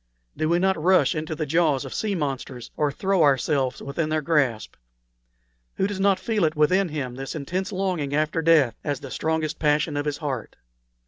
Do we not rush into the jaws of sea monsters, or throw ourselves within their grasp? Who does not feel within him this intense longing after death as the strongest passion of his heart?"